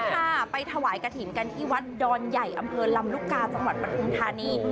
ค่ะไปถวายกระถิ่นกันที่วัดดอนใหญ่อำเภอลำลูกกาจังหวัดปทุมธานี